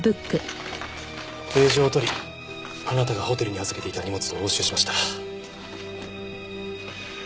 令状を取りあなたがホテルに預けていた荷物を押収しました。